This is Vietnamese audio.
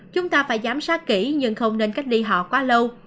chúng ta phải giám sát kỹ nhưng không nên cách ly họ quá lâu